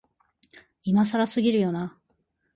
今更すぎるよな、